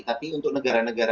tapi untuk negara negara